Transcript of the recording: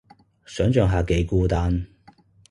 想像下幾孤單